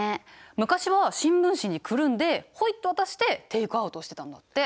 昔は新聞紙にくるんでホイッと渡してテイクアウトをしてたんだって。